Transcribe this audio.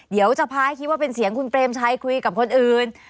เดี๋ยวจะพาให้คิดว่าเป็นเสียงคุณเปรมชัยคุยกับคนอื่น